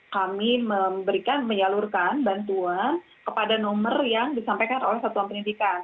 kami memberikan menyalurkan bantuan kepada nomor yang disampaikan oleh satuan pendidikan